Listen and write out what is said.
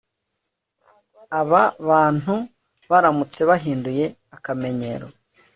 Aba bantu baramutse bahinduye akamenyero